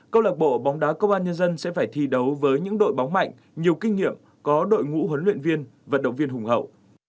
câu lạc bộ bóng đá công an nhân dân sẽ phải thi đấu với những đội bóng mạnh nhiều kinh nghiệm có đội ngũ huấn luyện viên vận động viên hùng hậu